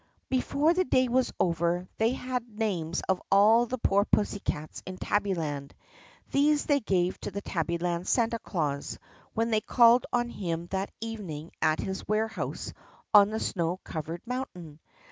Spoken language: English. Before the day was over they had the names of all the poor pussycats in Tabbyland. These they gave to the Tabbyland Santa Claus when they called on him that evening at his ware house on the snow covered mountain.